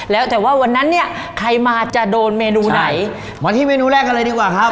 แล้วแต่ว่าวันนั้นเนี่ยใครมาจะโดนเมนูไหนมาที่เมนูแรกกันเลยดีกว่าครับ